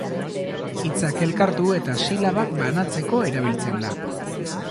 Hitzak elkartu eta silabak banatzeko erabiltzen da.